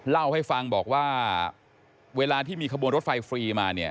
เล่าให้ฟังบอกว่าเวลาที่มีขบวนรถไฟฟรีมาเนี่ย